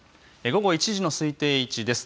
午後１時の推定位置です。